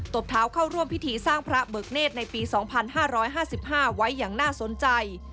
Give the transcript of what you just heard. บเท้าเข้าร่วมพิธีสร้างพระเบิกเนธในปี๒๕๕๕ไว้อย่างน่าสนใจ